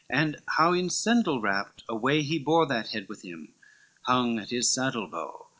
LV "And how in sindal wrapt away he bore That head with him hung at his saddle bow.